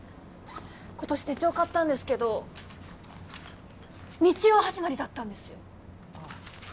今年手帳買ったんですけど日曜始まりだったんですよ！